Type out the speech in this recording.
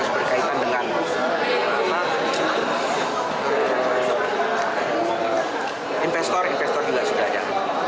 berkaitan dengan investor investor juga sudah ada